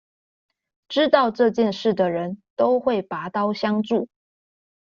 知道這件事的人都會拔刀相助